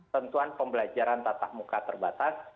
tentuan pembelajaran tatap muka terbatas